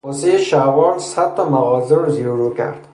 واسه یه شلوار صد تا مغازه رو زیر و رو کرد